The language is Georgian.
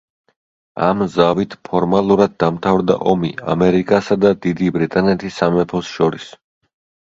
ამ ზავით ფორმალურად დამთავრდა ომი ამერიკასა და დიდი ბრიტანეთის სამეფოს შორის.